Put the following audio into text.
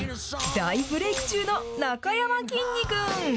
大ブレーク中のなかやまきんに君。